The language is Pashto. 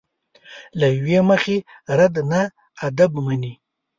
له یوې مخې رد نه ادب مني.